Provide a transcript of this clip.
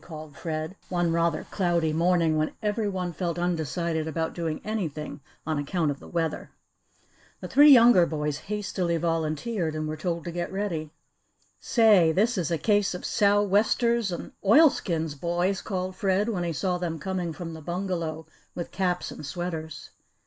called Fred, one rather cloudy morning when every one felt undecided about doing anything on account of the weather. The three younger boys hastily volunteered and were told to get ready. "Say, this is a case of sou'westers and oilskins, boys," called Fred, when he saw them coming from the bungalow with caps and sweaters.